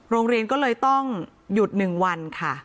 โรงเรียนก็เลยต้องหยุด๑วันค่ะ